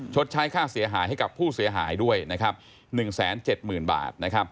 ชดใช้ค่าเสียหายให้กับผู้เสียหายด้วยนะครับ๑๗๐๐๐บาท